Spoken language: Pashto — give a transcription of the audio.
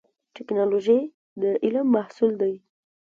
ټکنالوژي د علم محصول دی